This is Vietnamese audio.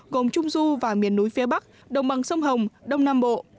gồm trung du và miền núi phía bắc đồng bằng sông hồng đông nam bộ